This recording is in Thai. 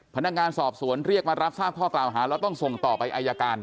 พนักงานสอบสวนเรียกมารับทราบข้อกล่าวหาแล้วต้องส่งต่อไปอายการ